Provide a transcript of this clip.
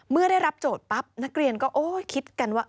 เมื่อได้รับโจทย์ปั๊บนักเรียนก็คิดกันว่า